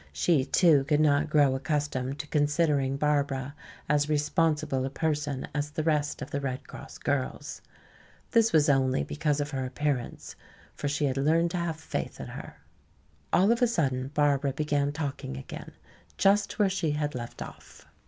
She too could not grow accustomed to considering Barbara as responsible a person as the rest of the Red Cross girls. This was only because of her appearance, for she had learned to have faith in her. All of a sudden Barbara began talking again, just where she had left off.